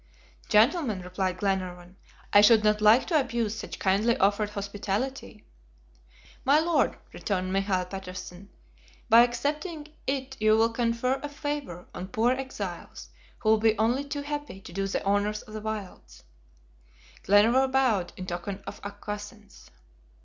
"Gentlemen," replied Glenarvan, "I should not like to abuse such kindly offered hospitality." "My Lord," returned Michael Patterson, "by accepting it you will confer a favor on poor exiles, who will be only too happy to do the honors of the wilds." Glenarvan bowed in token of acquiescence.